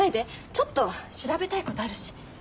ちょっと調べたいことあるし。